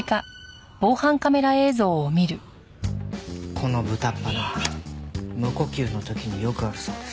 この豚っ鼻無呼吸の時によくあるそうです。